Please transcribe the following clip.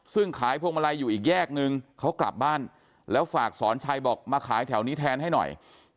ซึ่งขายพวงมาลัยอยู่อีกแยกนึงเขากลับบ้านแล้วฝากสอนชัยบอกมาขายแถวนี้แทนให้หน่อย